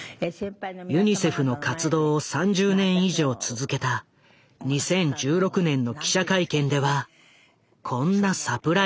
ユニセフの活動を３０年以上続けた２０１６年の記者会見ではこんなサプライズも。